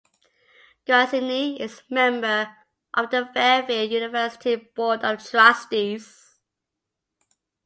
Garanzini is member of the Fairfield University Board of Trustees.